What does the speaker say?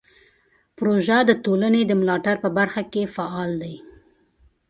پروژه د ټولنې د ملاتړ په برخه کې فعال دی.